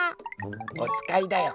おつかいだよ。